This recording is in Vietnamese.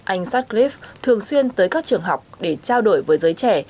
anh sutliff thường xuyên tới các trường học để trao đổi với giới trẻ